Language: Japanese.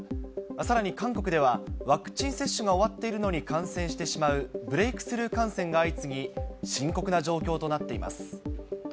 さらに韓国では、ワクチン接種が終わっているのに感染してしまうブレークスルー感染が相次ぎ、深刻な状況となっています。